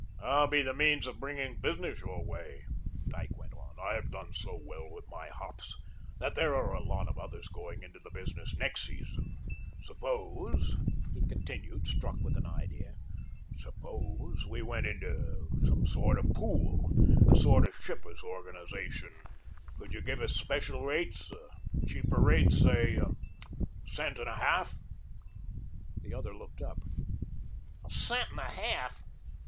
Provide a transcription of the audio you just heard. "I'll be the means of bringing business your way," Dyke went on; "I've done so well with my hops that there are a lot of others going into the business next season. Suppose," he continued, struck with an idea, "suppose we went into some sort of pool, a sort of shippers' organisation, could you give us special rates, cheaper rates say a cent and a half?" The other looked up. "A cent and a half!